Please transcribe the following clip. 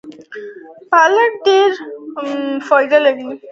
پالک ډیره اوسپنه لري